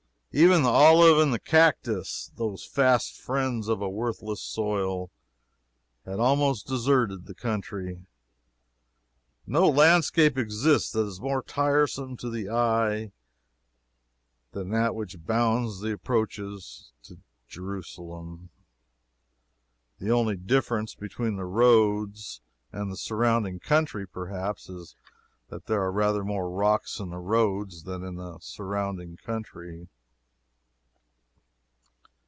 Even the olive and the cactus, those fast friends of a worthless soil, had almost deserted the country. No landscape exists that is more tiresome to the eye than that which bounds the approaches to Jerusalem. The only difference between the roads and the surrounding country, perhaps, is that there are rather more rocks in the roads than in the surrounding country.